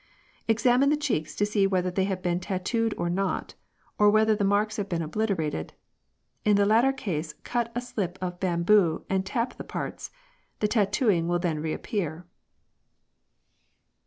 " Examine the cheeks to see whether they have been tattooed or not, or whether the marks have been obliterated. In the latter case, cut a slip of bamboo and tap the parts; the tattooing will then re appear."